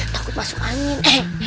takut masuk angin